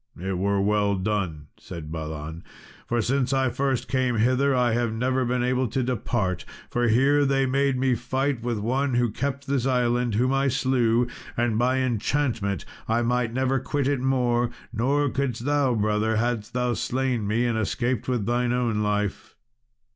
"It were well done," said Balan, "for since I first came hither I have never been able to depart, for here they made me fight with one who kept this island, whom I slew, and by enchantment I might never quit it more; nor couldst thou, brother, hadst thou slain me, and escaped with thine own life."